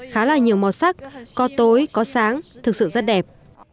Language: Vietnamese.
khá là nhiều màu sắc có tối có sáng thực sự rất đẹp